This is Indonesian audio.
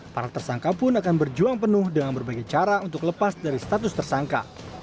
para tersangka pun akan berjuang penuh dengan berbagai cara untuk lepas dari status tersangka